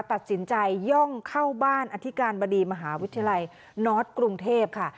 ตัดสินใจย่องเข้าบ้านอธิการบดีมหาวิทยาลัยนอร์สกรุงเทพค่ะ